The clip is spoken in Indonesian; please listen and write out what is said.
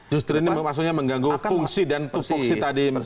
justru ini maksudnya mengganggu fungsi dan fungsi tadi